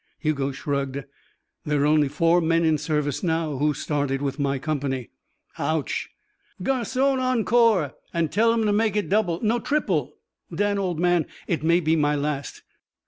Hugo shrugged. "There are only four men in service now who started with my company." "Ouch! Garçon! Encore! An' tell him to make it double no, triple Dan, old man. It may be my last."